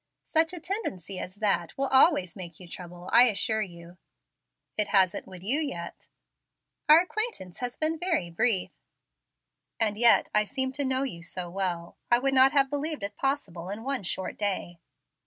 "Such a tendency as that will always make you trouble, I assure you." "It hasn't with you, yet." "Our acquaintance has been very brief." "And yet I seem to know you so well! I would not have believed it possible in one short day."